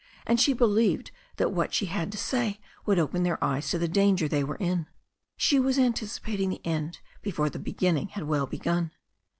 And she believed that what she had to say would open their eyes to the danger they were in. She was anticipating the end before the beginning had well begun.